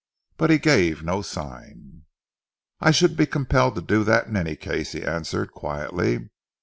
But he gave no sign. "I should be compelled to do that in any case," he answered quietly.